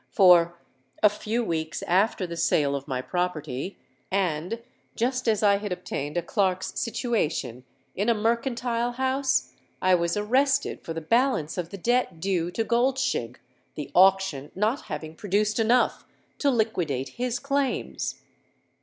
For, a few weeks after the sale of my property, and just as I had obtained a clerk's situation in a mercantile house, I was arrested for the balance of the debt due to Goldshig, the auction not having produced enough to liquidate his claims.